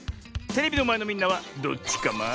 テレビのまえのみんなはどっちカマ？